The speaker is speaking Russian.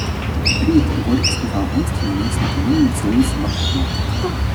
– Рита! – горько сказал он, становясь на колено и целуя собаку в морду.